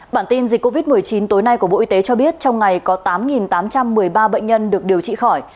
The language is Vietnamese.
bản tin dịch covid một mươi chín tối nay của bộ y tế cho biết trong ngày có tám tám trăm một mươi ba bệnh nhân được điều trị khỏi